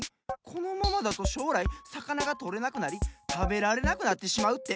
このままだとしょうらいさかながとれなくなりたべられなくなってしまうって。